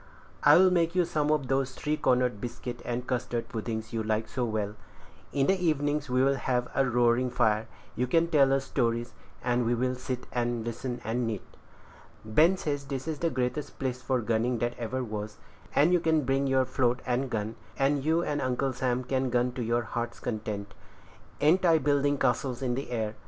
I'll make you some of those three cornered biscuit and custard puddings you like so well. In the evenings we'll have a roaring fire; you can tell stories, and we will sit and listen, and knit. Ben says this is the greatest place for gunning that ever was; and you can bring on your float and gun, and you and Uncle Sam can gun to your heart's content. Ain't I building castles in the air?"